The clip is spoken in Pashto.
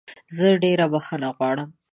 زه ډېره بخښنه غواړم